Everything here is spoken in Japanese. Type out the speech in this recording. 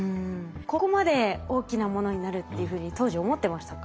ここまで大きなものになるっていうふうに当時思ってましたか？